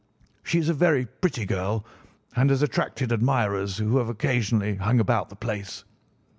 She is a very pretty girl and has attracted admirers who have occasionally hung about the place.